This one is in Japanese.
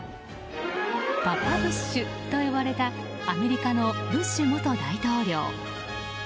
パパブッシュと呼ばれたアメリカのブッシュ元大統領。